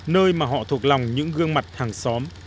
nơi mà họ thuộc lòng những gương mặt hàng xóm